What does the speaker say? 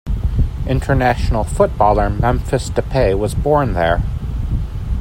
International footballer Memphis Depay was born there.